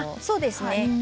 そうですね。